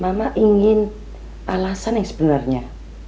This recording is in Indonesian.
mama ingin alasan yang sebenarnya